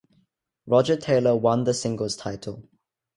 Roger Taylor won the singles title.